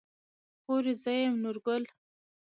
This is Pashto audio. خورې زه يم نورګل.